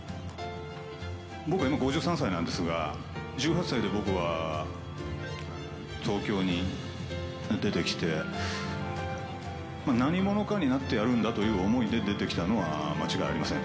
僕、今、５３歳なんですが、１８歳で僕は東京に出てきて、何者かになってやるんだという思いで出てきたのは間違いありません。